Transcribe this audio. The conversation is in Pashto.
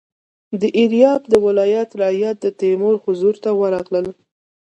د ایریاب د ولایت رعیت د تیمور حضور ته ورغلل.